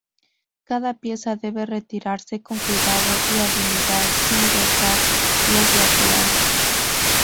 Cada pieza debe retirarse con cuidado y habilidad, sin rozar los laterales.